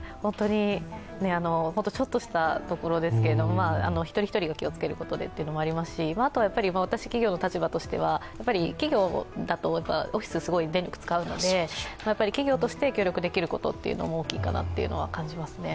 本当にちょっとしたところですけれども、一人一人が気をつけることでというところもありますし、あとは私企業の立場としては、企業だとオフィスすごい電力を使うので企業とて協力できることというのも大きいかなというのは感じますね。